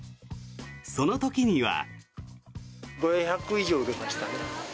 その時には。